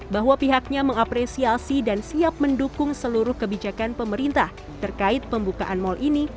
bahwa pihaknya mengapresiasi dan siap mendukung seluruh kebijakan pemerintah terkait pembukaan mal ini